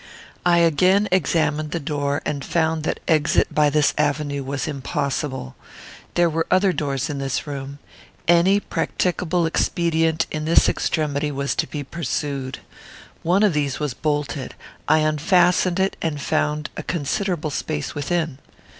I again examined the door, and found that exit by this avenue was impossible. There were other doors in this room. Any practicable expedient in this extremity was to be pursued. One of these was bolted. I unfastened it and found a considerable space within.